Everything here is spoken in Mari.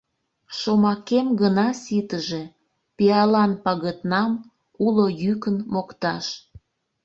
Шомакем гына ситыже Пиалан пагытнам Уло йӱкын мокташ.